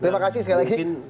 terima kasih sekali lagi